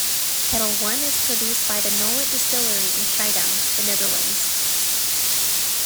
Ketel One is produced by the Nolet Distillery in Schiedam, the Netherlands.